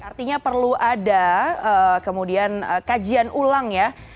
artinya perlu ada kemudian kajian ulang ya